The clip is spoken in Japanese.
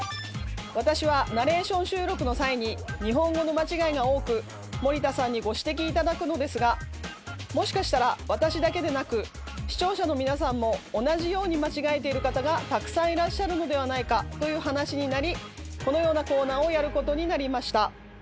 私はナレーション収録の際に日本語の間違いが多く森田さんにご指摘頂くのですがもしかしたら私だけでなく視聴者の皆さんも同じように間違えている方がたくさんいらっしゃるのではないかという話になりこのようなコーナーをやることになりました。